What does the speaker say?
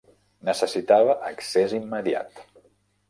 Necessitava accés immediat.